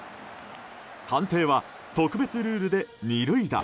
判定は特別ルールで二塁打。